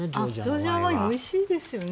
ジョージアワインおいしいんですよね。